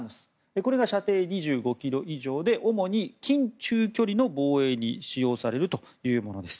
これが射程２５ｋｍ以上で主に近中距離の防衛に使用されるというものです。